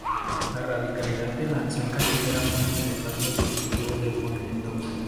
La radicalidad en la acción callejera fue uno de los rasgos distintivos del movimiento.